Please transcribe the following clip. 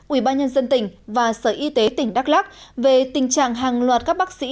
ủy ban nhân dân tỉnh và sở y tế tỉnh đắk lắc về tình trạng hàng loạt các bác sĩ